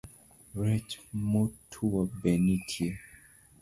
Rech motuo be nitie?